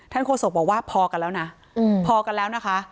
โฆษกบอกว่าพอกันแล้วนะพอกันแล้วนะคะ